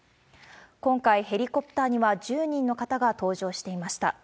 今回、ヘリコプターには１０人の方が搭乗していました。